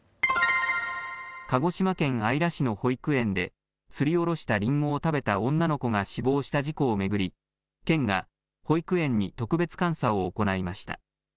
鹿児島県姶良市の保育園ですりおろしたリンゴを食べた女の子が死亡した事故を巡り県が保育園に特別監査を行いました。